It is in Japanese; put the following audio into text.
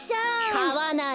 かわない。